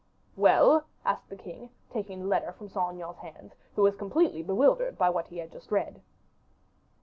"Well?" asked the king, taking the letter from Saint Aignan's hands, who was completely bewildered by what he had just read.